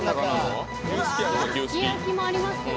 すき焼きもありますよ。